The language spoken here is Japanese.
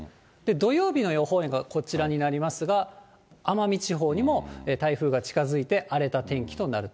土曜日の予報円がこちらになりますが、奄美地方にも台風が近づいて、荒れた天気となると。